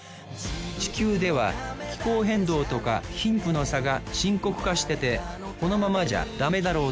地球では気候変動とか貧富の差が深刻化しててこのままじゃダメだろう